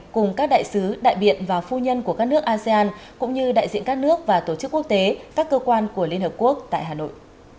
cùng các đại sứ đại biện và phu nhân của các nước asean cũng như đại diện các nước và tổ chức quốc tế các cơ quan của liên hợp quốc tại hà nội